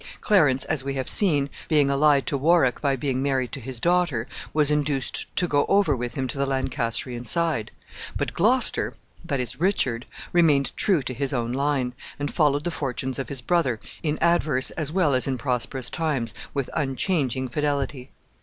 Clarence, as we have seen, being allied to Warwick by being married to his daughter, was induced to go over with him to the Lancastrian side; but Gloucester that is, Richard remained true to his own line, and followed the fortunes of his brother, in adverse as well as in prosperous times, with unchanging fidelity.